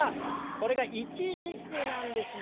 これがいちじくなんですね。